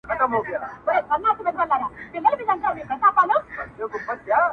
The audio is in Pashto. له ماسره هم دا تازه عالمه دي